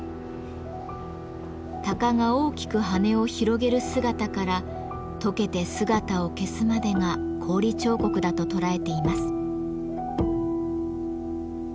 鷹が大きく羽を広げる姿からとけて姿を消すまでが氷彫刻だと捉えています。